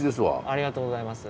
ありがとうございます。